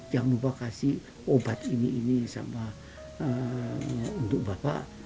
jangan lupa kasih obat ini ini sama untuk bapak